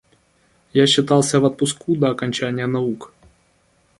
Я считался в отпуску до окончания наук.